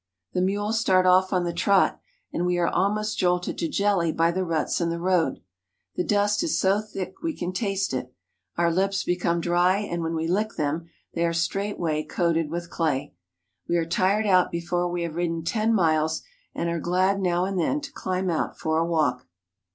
The mules start off on the trot, and we are almost jolted to jelly by the ruts in the road. The dust is so thick we can taste it. Our lips become dry, and when we lick them, they are straightway coated with clay. We are tired out before we have ridden ten miles and are glad now and then to climb out for a walk.